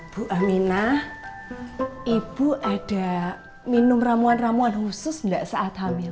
bu aminah ibu ada minum ramuan ramuan khusus nggak saat hamil